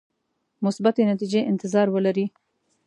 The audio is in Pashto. مثبتې نتیجې انتظار ولري.